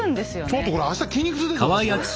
ちょっとこれ明日筋肉痛です私これ。